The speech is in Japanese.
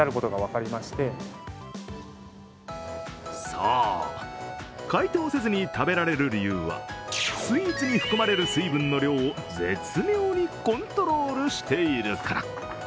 そう解凍せずに食べられる理由はスイーツに含まれる水分の量を絶妙にコントロールしているから。